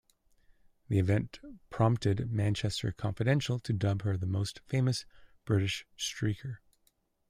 The event prompted Manchester Confidential to dub her the most famous British streaker.